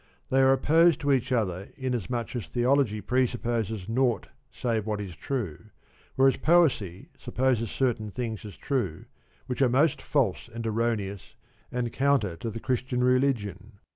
They are opposed to each other in as much as Theology presupposes naught save what is true, whereas Poesy supposes certain things as true which are most false and erroneous and counter to the Christian religion.